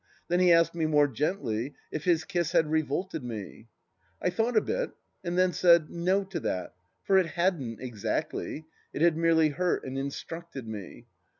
Then he asked me more gently, if his kiss had revolted me ? I thought a bit, and then said No to that, for it hadn't, exactly : it had merely hurt and instructed me.